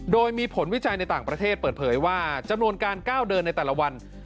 โดยมีผลวิจัยในต่างประเทศเปิดเผยว่าจำนวนการก้าวเดินในแต่ละวัน